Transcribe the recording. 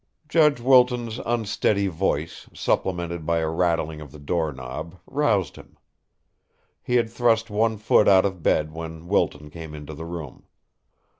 Judge Wilton's unsteady voice, supplemented by a rattling of the doorknob, roused him. He had thrust one foot out of bed when Wilton came into the room.